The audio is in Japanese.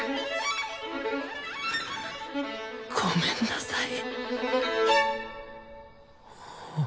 ごめんなさい。